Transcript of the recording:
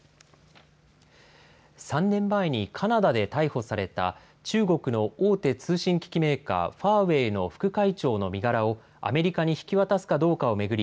３年前にカナダで逮捕された中国の大手通信機器メーカー、ファーウェイの副会長の身柄をアメリカに引き渡すかどうかを巡り